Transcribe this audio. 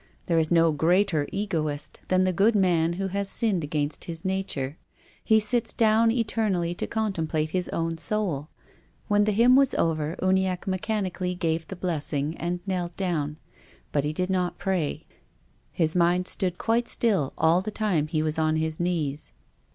There is no greater egoist than the good man who has sinned against his nature. He sits down eter nally to contemplate his own soul. When the hymn was over Uniacke mechanically gave the blessing and knelt down. But he did not pray. His mind stood quite still all. the time he was on his knees.